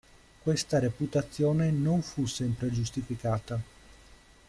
Questa reputazione non fu sempre giustificata.